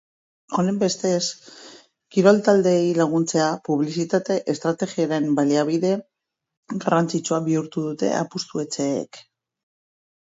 Honenbestez, kirol taldeei laguntzea publizitate estrategiaren baliabide garrantzitsua bihurtu dute apustu etxeek.